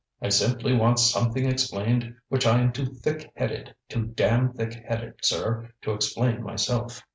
I simply want something explained which I am too thick headed too damned thick headed, sir to explain myself.